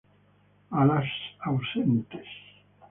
Alas ausentes.